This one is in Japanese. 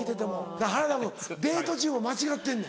だから原田君デート中も間違ってんねん。